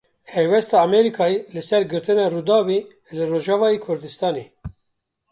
Helwesta Amerîkayê li ser girtina Rûdawê li Rojavayê Kurdistanê.